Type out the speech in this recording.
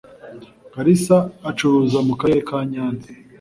karisa acuruza mu karere ka nyanza